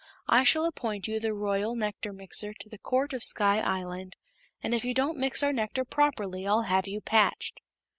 I shall appoint you the Royal Nectar Mixer to the Court of Sky Island, and if you don't mix our nectar properly I'll have you patched.